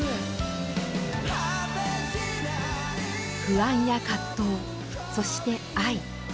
不安や葛藤そして愛。